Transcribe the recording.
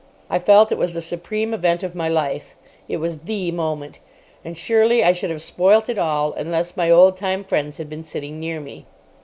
I felt it was the supreme event of my life. It was the moment. And surely I should have spoilt it all unless my old time friends had been sitting near me.